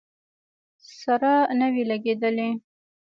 سره نه وې لګېدلې.